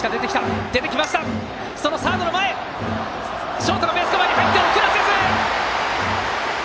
ショートがベースカバーに入って送らせず。